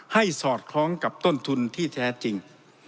สอดคล้องกับต้นทุนที่แท้จริง